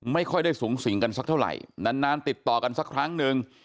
ไม่ค่อยได้สูงสิงกันสักเท่าไหร่นานติดต่อกันสักครั้งนึง